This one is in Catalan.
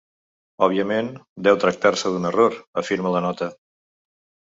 “Òbviament, deu tractar-se d’un error”, afirma la nota.